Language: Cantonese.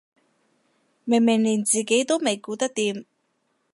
明明連自己都未顧得掂